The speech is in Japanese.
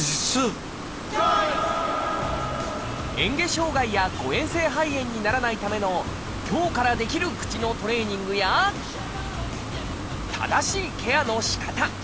えん下障害や誤えん性肺炎にならないための今日からできる正しいケアのしかた。